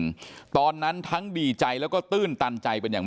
หากันอยู่จริงตอนนั้นทั้งดีใจแล้วก็ตื่นตันใจเป็นอย่าง